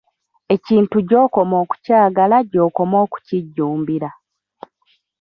Ekintu gy'okoma okukyagala gy'okoma okukijjumbira.